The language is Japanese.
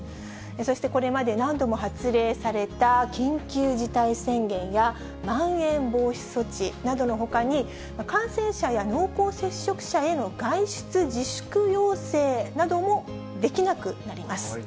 そしてこれまで何度も発令された緊急事態宣言や、まん延防止措置などのほかに、感染者や濃厚接触者への外出自粛要請などもできなくなります。